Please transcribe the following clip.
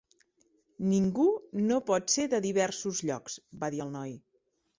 "Ningú no pot ser de diversos llocs", va dir el noi.